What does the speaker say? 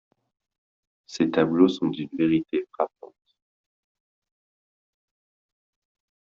Ses tableaux sont d'une vérité frappante.